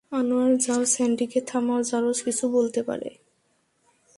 আনোয়ার যাও স্যান্ডি কে থামাও, জারজ কিছু করতে পারে।